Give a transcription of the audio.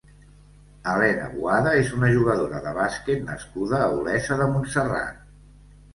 Helena Boada és una jugadora de basquet nascuda a Olesa de Montserrat.